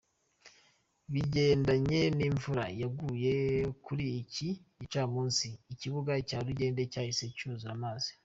Bigendanye n'imvura yaguye kuri iki gicamunsi ikibuga cya Rugende cyahise cyuzura amazi.